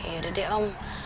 yaudah deh om